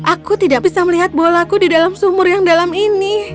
aku tidak bisa melihat bolaku di dalam sumur yang dalam ini